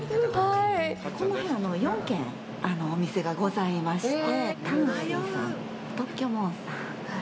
この辺、４軒お店がございまして。